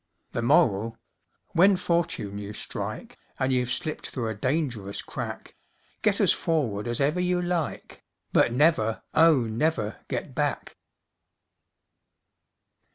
The Moral: When fortune you strike, And you've slipped through a dangerous crack, Get as forward as ever you like, But never, oh, never get back!